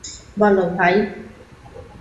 বল, ভাই।